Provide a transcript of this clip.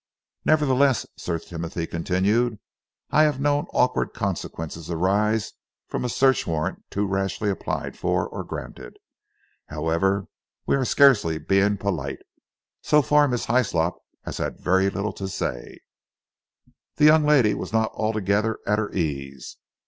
"Nevertheless," Sir Timothy continued, "I have known awkward consequences arise from a search warrant too rashly applied for or granted. However, we are scarcely being polite. So far, Miss Hyslop has had very little to say." The young lady was not altogether at her ease.